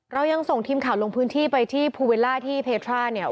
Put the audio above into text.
เรายังส่งทีมข่าวลงพื้นที่ไปที่ภูเวลล่าที่เพทราเนี่ย